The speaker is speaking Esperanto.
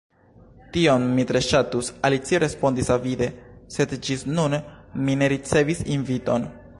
"Tion mi tre ŝatus," Alicio respondis avide, "sed ĝis nun mi ne ricevis inviton."